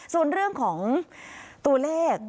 ส่วนเรื่องของตัวเลข